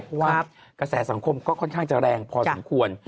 เพราะว่ากระแสสังคมก็ค่อนข้างจะแรงพอสมควร